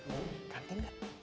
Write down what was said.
ini kantin gak